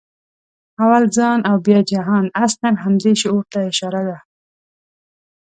«اول ځان او بیا جهان» اصلاً همدې شعور ته اشاره ده.